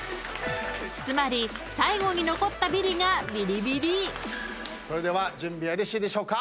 ［つまり最後に残ったビリがビリビリ］では準備はよろしいでしょうか。